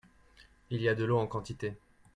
Il y a de l'eau en quantité.